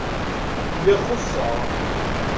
Lliɣ xuṣṣeɣ.